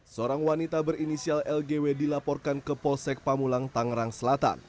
seorang wanita berinisial lgw dilaporkan ke polsek pamulang tangerang selatan